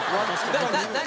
何？